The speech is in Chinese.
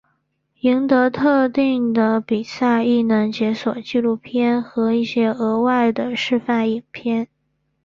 赢得特定的比赛亦能解锁纪录片和一些额外的示范影片。